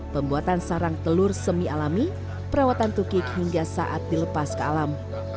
pembuatan sarang telur semi alami perawatan tukik hingga saat dilepas ke alam